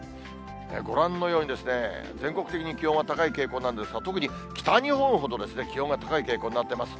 ご覧のようにですね、全国的に気温は高い傾向なんですが、特に北日本ほど気温が高い傾向になってます。